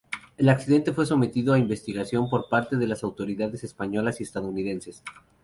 El accidente fue sometido a investigación por parte de las autoridades españolas y estadounidenses.